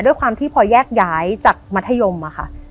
ด้วยความที่พอแยกย้ายจากมัธยมอะค่ะ